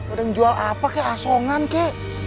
ada yang jual apa kek asongan kek